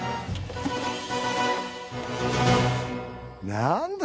なんだ！？